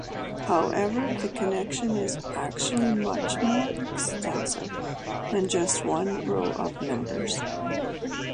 However, the connection is actually much more extensive than just one row of numbers.